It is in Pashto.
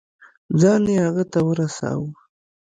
ځان يې هغه ته ورساوه.